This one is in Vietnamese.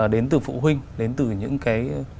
đến từ phụ huynh đến từ những cái